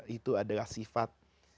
itu adalah sifat